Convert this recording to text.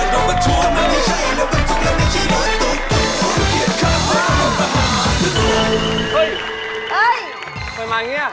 ทำไมอันนี้